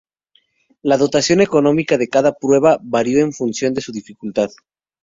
La dotación económica de cada prueba varió en función de su dificultad.